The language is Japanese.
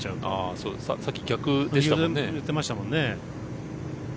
さっき、逆でしたもんね。